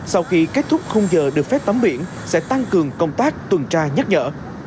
sau khi kết thúc không giờ được phép tắm biển sẽ tăng cường công tác tuần tra nhắc nhở